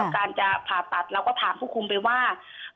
การจะผ่าตัดเราก็ถามผู้คุมไปว่า